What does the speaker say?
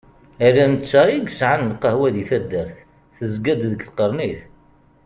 Ala netta i yesɛan lqahwa deg taddart, tezga-d deg tqernit.